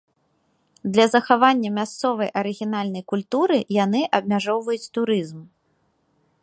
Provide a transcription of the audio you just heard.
Для захавання мясцовай арыгінальнай культуры яны абмяжоўваюць турызм.